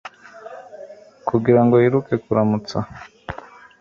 kugira ngo yiruke kuramutsa